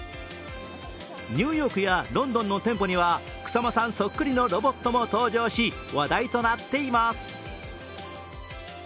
ニューヨークやロンドンの店舗には草間さんそっくりのロボットも登場し話題となっています。